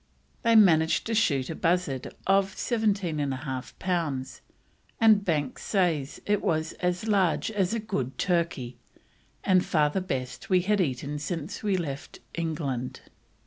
They managed to shoot a bustard of 17 1/2 pounds, and Banks says it was "as large as a good turkey, and far the best we had eaten since we left England."